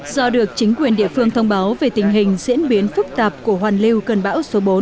do được chính quyền địa phương thông báo về tình hình diễn biến phức tạp của hoàn lưu cơn bão số bốn